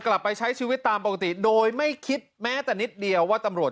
กลับไปใช้ชีวิตตามปกติโดยไม่คิดแม้แต่นิดเดียวว่าตำรวจ